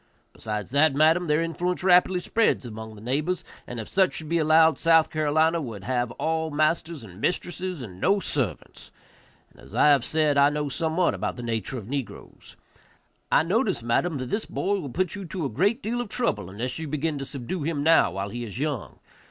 Besides that, madam, their influence rapidly spreads among the neighbors, and if such should be allowed, South Carolina would have all masters and mistresses, and no servants; and, as I have said, I know somewhat about the nature of negroes; I notice, madam, that this boy will put you to a great deal of trouble unless you begin to subdue him now while he is young.